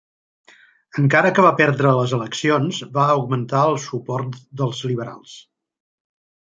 Encara que va perdre les eleccions, va augmentar el suport dels liberals.